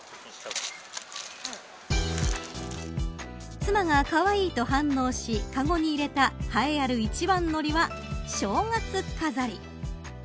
妻がかわいいと反応しかごに入れた栄えある一番乗りは正月飾り。